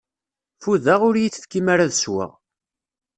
Fudeɣ, ur yi-tefkim ara ad sweɣ.